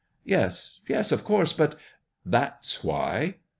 " Yes, yes ; of course ! But "" That's why."